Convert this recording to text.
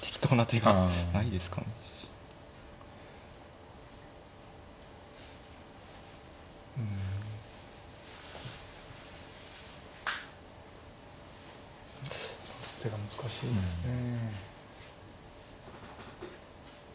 指す手が難しいですね。